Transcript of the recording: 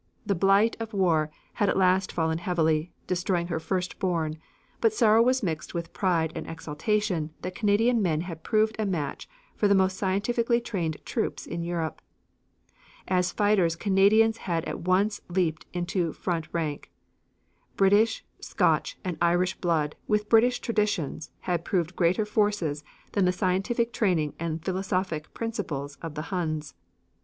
The blight of war had at last fallen heavily, destroying her first born, but sorrow was mixed with pride and exaltation that Canadian men had proved a match for the most scientifically trained troops in Europe. As fighters Canadians had at once leaped into front rank. British, Scotch and Irish blood, with British traditions, had proved greater forces than the scientific training and philosophic principles of the Huns.